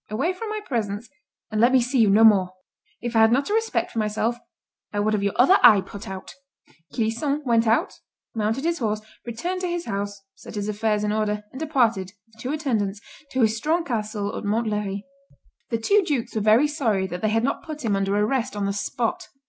Away from my presence, and let me see you no more! If I had not a respect for myself, I would have your other eye put out." Clisson went out, mounted his horse, returned to his house, set his affairs in order, and departed, with two attendants, to his strong castle of Montlhery. The two dukes were very sorry that they had not put him under arrest on the spot.